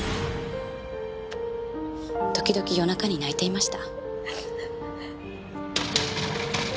時々夜中に泣いていました。